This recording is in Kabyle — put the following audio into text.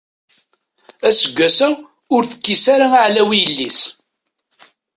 Aseggas-a ur tekkis ara aɛlaw i yelli-s.